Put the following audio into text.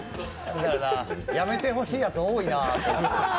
やめてほしいやつ多いな。